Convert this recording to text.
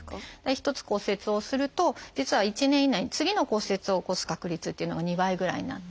一つ骨折をすると実は１年以内に次の骨折を起こす確率っていうのが２倍ぐらいになって。